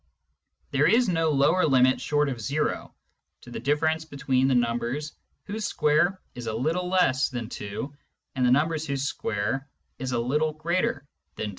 There is no lower limit short of zero to the difference between the numbers whose square is a little less than 2 and the numbers whose square is a little greater than 2.